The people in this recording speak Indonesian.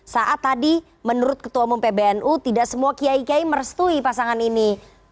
saat tadi menurut ketua umum pbnu tidak semua kiai kiai merestui pasangan ini